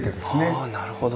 あなるほど。